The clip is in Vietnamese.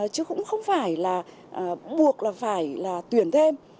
chứ cũng không phải là buộc là phải là tuyển thêm